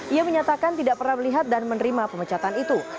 ia menyatakan tidak pernah melihat dan menerima pemecatan itu